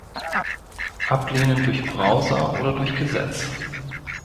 Ablehnen durch Browser oder durch Gesetz?